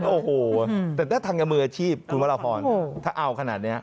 โอ้โหแต่ได้ทางธรรมีอาชีพคุณว่าเราพอละถ้าเอาขนาดนี้